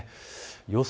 予想